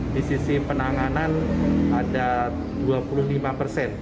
di sisi penanganan ada dua puluh lima persen